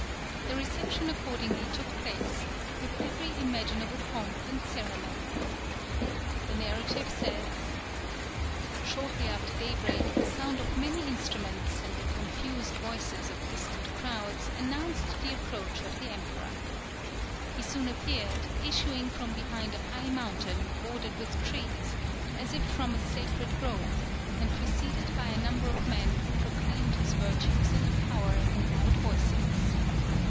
The reception accordingly took place, with every imaginable pomp and ceremony. The narrative says, "Shortly after daybreak the sound of many instruments, and the confused voices of distant crowds, announced the approach of the emperor. He soon appeared, issuing from behind a high mountain, bordered with trees, as if from a sacred grove, and preceded by a number of men who proclaimed his virtues and power in loud voices.